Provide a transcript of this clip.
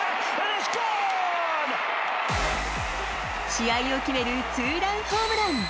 試合を決めるツーランホームラン。